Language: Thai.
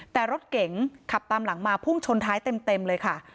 แต่รถเก๋งขับตามหลังมาพุ่งชนท้ายเต็มเลยค่ะ